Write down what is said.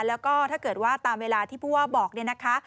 แล้วก็ถ้าเกิดว่าตามเวลาที่ผู้ว่าบอกเนี่ยนะคะ